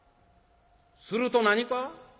すると何か？